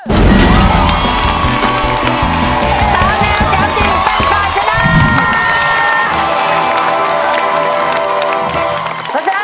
เป็นการชนะ